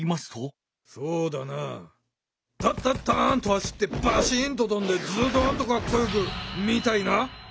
そうだなタッタッタンと走ってバシンととんでズドンとかっこよくみたいな。